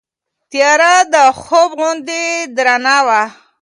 تیاره د خوب غوندې درنه وه.